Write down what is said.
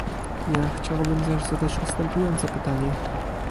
Ja chciałabym zaś zadać następujące pytanie